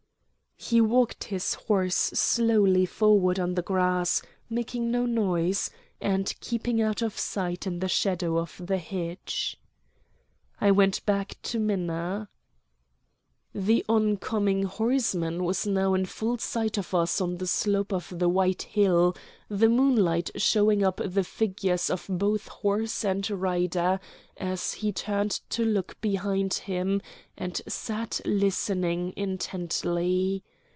He walked his horse slowly forward on the grass, making no noise, and keeping out of sight in the shadow of the hedge. I went back to Minna. The on coming horseman was now in full sight of us on the slope of the white hill, the moonlight showing up the figures of both horse and rider, as he turned to look behind him, and sat listening intently.